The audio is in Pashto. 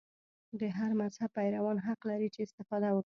د هر مذهب پیروان حق لري چې استفاده وکړي.